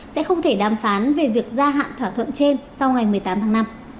sẽ không thể đàm phán về việc gia hạn thỏa thuận trên sau ngày một mươi tám tháng năm